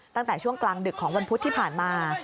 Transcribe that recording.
ตั้งแต่ช่วงกลางดึกของวันพุธที่ผ่านมา